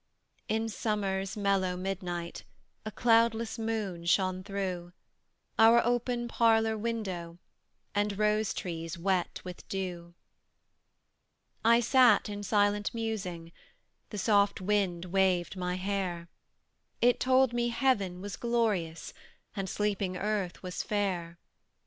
In summer's mellow midnight, A cloudless moon shone through Our open parlour window, And rose trees wet with dew. I sat in silent musing; The soft wind waved my hair; It told me heaven was glorious, And sleeping earth was fair.